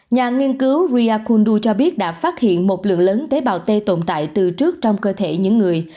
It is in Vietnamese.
nhà nghiên cứu riyakundu cho biết đã phát hiện một lượng lớn tế bào t tồn tại từ trước trong cơ thể những người